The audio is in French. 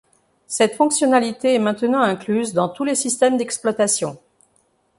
Cette fonctionnalité est maintenant incluse dans tous les systèmes d'exploitation.